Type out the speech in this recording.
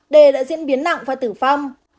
đề đã diễn biến nặng và tử vong